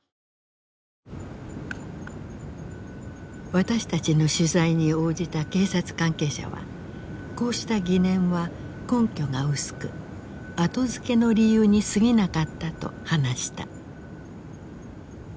私たちの取材に応じた警察関係者はこうした疑念は根拠が薄く後付けの理由にすぎなかったと話した。